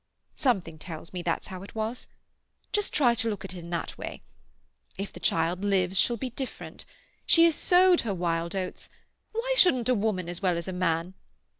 Something tells me that's how it was. Just try to look at it in that way. If the child lives she'll be different. She has sowed her wild oats—why shouldn't a woman as well as a man?